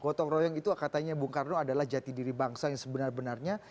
gotong royong itu katanya bung karno adalah jati diri bangsa yang sebenar benarnya